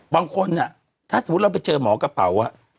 บางคนถ้าสมมุติเราไปเจอหมอกระเป๋า